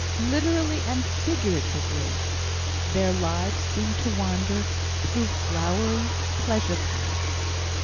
Literally and figuratively, their lives seemed to wander through flowery pleasure paths.